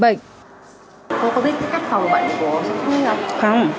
cô có biết cách phòng bệnh của suất huyết không